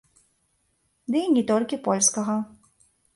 Ды і не толькі польскага.